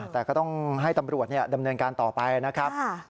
แต่ก็ต้องให้ตำรวจดำเนินการต่อไปนะครับ